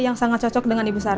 jangan bau doang lisick